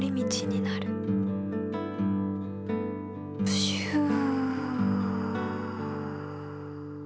プシュー。